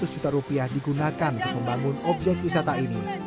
seratus juta rupiah digunakan untuk membangun objek wisata ini